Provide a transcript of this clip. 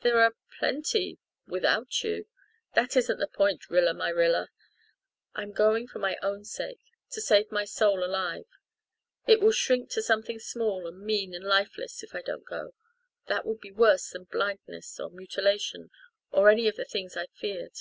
"There are plenty without you." "That isn't the point, Rilla my Rilla. I'm going for my own sake to save my soul alive. It will shrink to something small and mean and lifeless if I don't go. That would be worse than blindness or mutilation or any of the things I've feared."